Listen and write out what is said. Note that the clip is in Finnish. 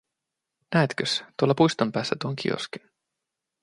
Näetkös, tuolla puiston päässä tuon kioskin.